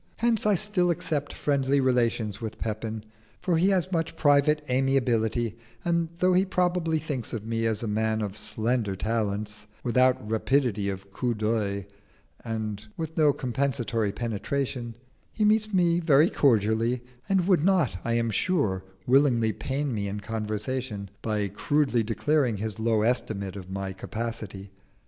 Hence I still accept friendly relations with Pepin, for he has much private amiability, and though he probably thinks of me as a man of slender talents, without rapidity of coup d'oeil and with no compensatory penetration, he meets me very cordially, and would not, I am sure, willingly pain me in conversation by crudely declaring his low estimate of my capacity.